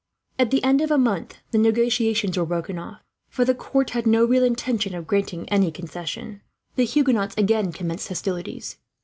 At the end of a month the negotiations were broken off, for the court had no real intention of granting any concessions. The Huguenots again commenced hostilities.